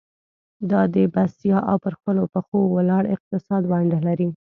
دا د بسیا او پر خپلو پخو ولاړ اقتصاد ونډه لري.